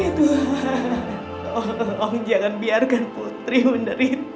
ya tuhan tolong jangan biarkan putri menderita